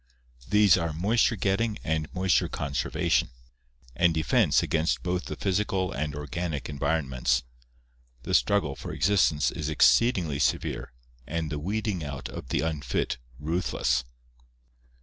These are moisture getting and moisture conservation, and defense against both the physical and organic environments. The struggle for existence is exceedingly severe and the weeding out of the unfit ruthless.